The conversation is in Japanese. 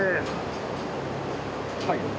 はい。